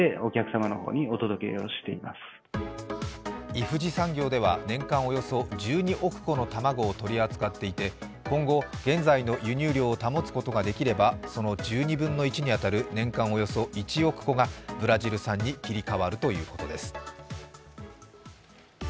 イフジ産業では年間およそ１２億個の卵を取り扱っていて今後、現在の輸入量を保つことができればその１２分の１に当たる年間およそ１億個がブラジル産に切り替わるということです。